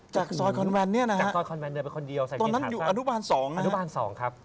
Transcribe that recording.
จากสอยคอนแวนเนี่ยนะครับตรงนั้นอยู่อนุบาล๒นะครับ